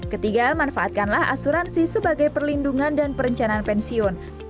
ketiga manfaatkanlah asuransi sebagai perlindungan dan perencanaan pensiun